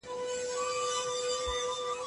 ایا دا د ماښام لمونځ دی که د ماسپښین؟